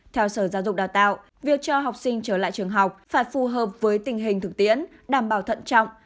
theo sở giáo dục đào tạo việc cho học sinh trở lại trường học phải phù hợp với tình hình thực tiễn đảm bảo thận trọng